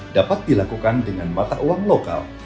dapat dilakukan dengan mata uang lokal